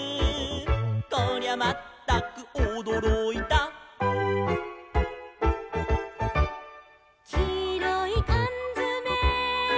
「こりゃまったくおどろいた」「きいろいかんづめ」